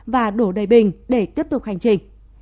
và đổ đầy bình để tiếp tục hành trình